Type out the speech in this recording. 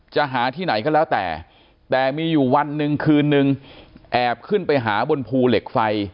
จะหาที่ไหนก็แล้วแต่แต่มีอยู่วันหนึ่งคืนนึงแอบขึ้นไปหาบนภูเหล็กไฟ